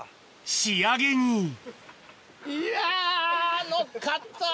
仕上げにいやのっかった！